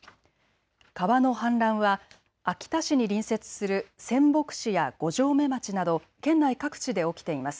川の氾濫は秋田市に隣接する仙北市や五城目町など県内各地で起きています。